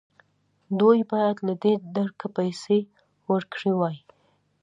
دوی باید له دې درکه پیسې ورکړې وای.